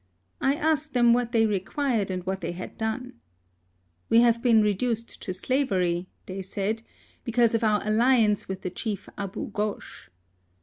I asked them what they required, and what they had done. " We have been reduced to slavery," they 70 HISTORY OP said, " because of our alliance with the chief Abou Gosh."